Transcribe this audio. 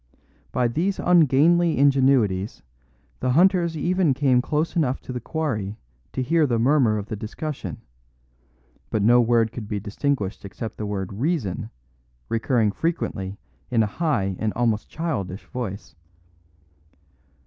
By these ungainly ingenuities the hunters even came close enough to the quarry to hear the murmur of the discussion, but no word could be distinguished except the word "reason" recurring frequently in a high and almost childish voice.